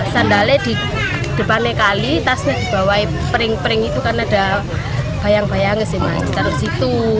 sandalnya di depannya kali tasnya dibawahi pering pering itu karena ada bayang bayangnya sih masih taruh situ